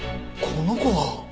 この子は！